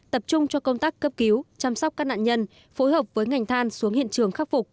tập trung cho công tác cấp cứu chăm sóc các nạn nhân phối hợp với ngành than xuống hiện trường khắc phục